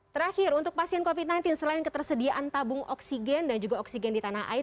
terakhir untuk pasien covid sembilan belas selain ketersediaan tabung oksigen dan juga oksigen di tanah air